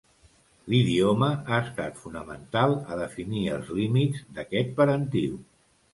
L'idioma ha estat fonamental a definir els límits d'aquest parentiu.